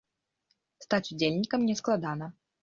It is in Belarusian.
Стаць удзельнікам не складана.